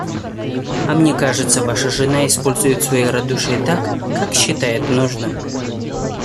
А мне кажется, ваша жена использует свое радушие так, как считает нужным.